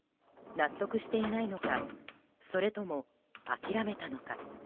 納得していないのかそれとも諦めたのか。